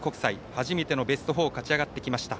初めてのベスト４勝ち上がってきました。